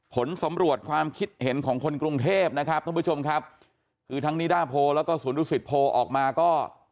ผลสำรวจความคิดเห็นของคนกรุงเทพนะครับท่านผู้ชมครับคือทั้งนิดาโพแล้วก็สวนดุสิตโพลออกมาก็